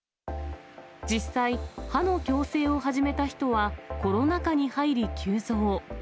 実際、歯の矯正を始めた人はコロナ禍に入り急増。